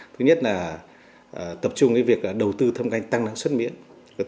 thứ nhất là tập trung việc đầu tư thâm canh tăng năng sản xuất mía